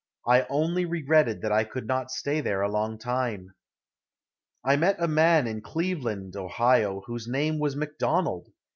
I only regretted that I could not stay there a long time. I met a man in Cleveland, O., whose name was Macdonald.